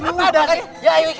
lo kenapa nekat banget sih